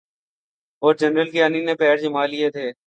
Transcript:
اورجنرل کیانی نے پیر جمالیے تھے۔